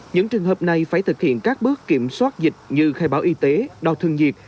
những trường hợp này phải thực hiện các bước kiểm soát dịch như khai báo y tế đo thân nhiệt